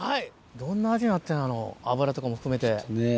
どんな味なってんのやろ脂とかも含めて。